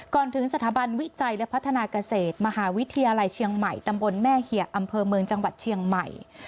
ถึงสถาบันวิจัยและพัฒนาเกษตรมหาวิทยาลัยเชียงใหม่ตำบลแม่เหี่ยอำเภอเมืองจังหวัดเชียงใหม่